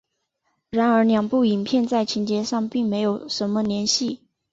然而两部影片在情节上并没有什么联系。